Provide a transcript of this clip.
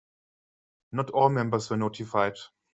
Not all members were notified.